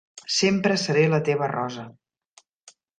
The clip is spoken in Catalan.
Sempre seré la teva rosa.